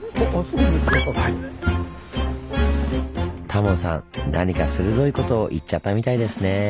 タモさん何か鋭いことを言っちゃったみたいですねぇ。